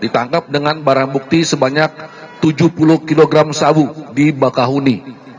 ditangkap dengan barang bukti sebanyak tujuh puluh kg sabu di bakahuni